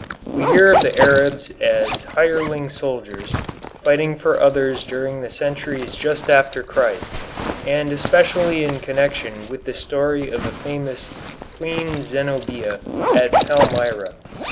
We hear of the Arabs as hireling soldiers fighting for others during the centuries just after Christ, and especially in connection with the story of the famous Queen Zenobia at Palmyra.